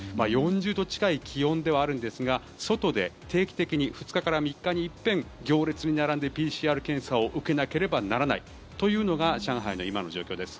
４０度近い気温ではあるんですが外で定期的に２日から３日に一偏行列に並んでＰＣＲ検査を受けなければならないというのが上海の今の状況です。